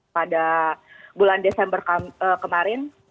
pada bulan desember kemarin